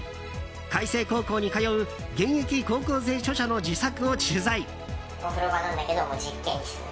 開成高校に通う現役高校生著者の自宅を取材。